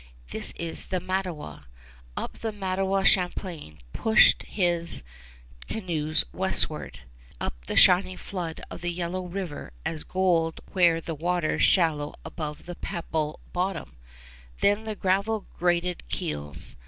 This is the Mattawa. Up the Mattawa Champlain pushed his canoes westward, up the shining flood of the river yellow as gold where the waters shallow above the pebble bottom. Then the gravel grated keels.